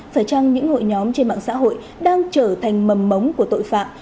phải chăng những hội nhóm trên mạng xã hội đang trở thành mầm mống của tội phạm